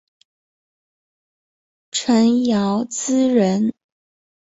陈尧咨人。